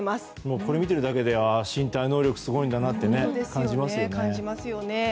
これ見てるだけで身体能力がすごいんだなと感じますよね。